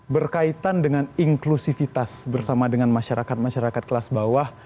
berkaitan dengan inklusivitas bersama dengan masyarakat masyarakat kelas bawah